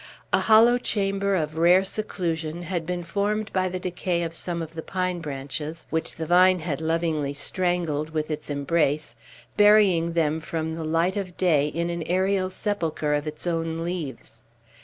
A hollow chamber of rare seclusion had been formed by the decay of some of the pine branches, which the vine had lovingly strangled with its embrace, burying them from the light of day in an aerial sepulchre of its own leaves.